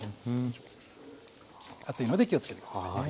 熱いので気をつけて下さいね。